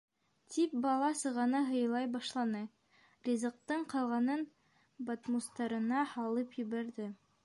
- тип бала-сағаны һыйлай башланы, ризыҡтың ҡалғанын батмустарына һалып ебәрҙе.